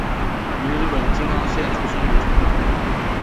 于日本静冈县出生与成长。